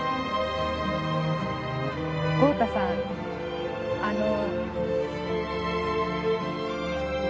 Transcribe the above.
豪太さんあの。